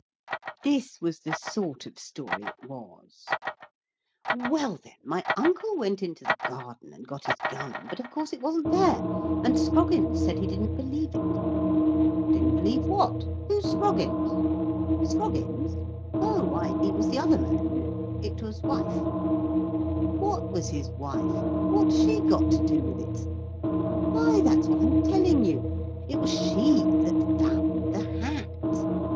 This was the sort of story it was: "Well, then, my uncle went into the garden, and got his gun, but, of course, it wasn't there, and Scroggins said he didn't believe it." "Didn't believe what? Who's Scroggins?" "Scroggins! Oh, why he was the other man, you know it was his wife." "WHAT was his wife what's SHE got to do with it?" "Why, that's what I'm telling you. It was she that found the hat.